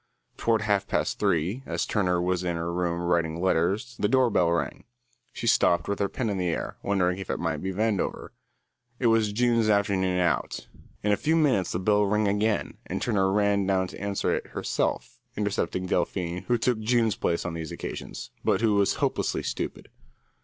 Toward half past three, as Turner was in her room writing letters, the door bell rang. She stopped, with her pen in the air, wondering if it might be Vandover. It was June's afternoon out. In a few minutes the bell rang again, and Turner ran down to answer it herself, intercepting Delphine, who took June's place on these occasions, but who was hopelessly stupid.